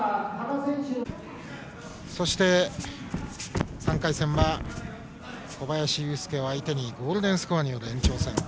そして、３回戦は小林悠輔を相手にゴールデンスコアによる延長戦。